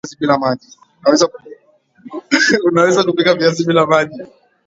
Unaweza Kupika viazi bila maji